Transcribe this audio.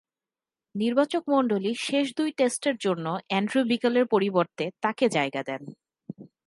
নির্বাচকমণ্ডলী শেষ দুই টেস্টের জন্য অ্যান্ড্রু বিকেলের পরিবর্তে তাকে জায়গা দেন।